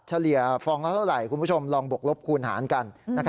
เฉลี่ยฟองละเท่าไหร่คุณผู้ชมลองบกลบคูณหารกัน